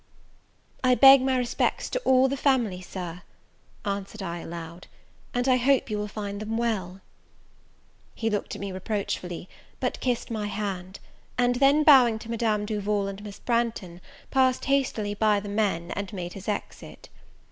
"I beg my respects to all the family, Sir," answered I, aloud; "and I hope you will find them well." He looked at me reproachfully, but kissed my hand; and then, bowing to Madame Duval and Miss Branghton, passed hastily by the men, and made his exit.